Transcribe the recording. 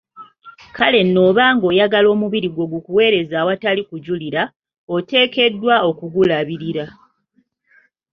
Kale nno obanga oyagala omubiri gwo gukuweereze awatali kujulirira, oteekeddwa okugulabirira.